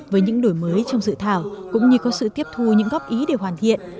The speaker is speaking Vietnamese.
với những đổi mới trong dự thảo cũng như có sự tiếp thu những góp ý để hoàn thiện